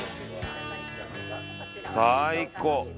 「最高！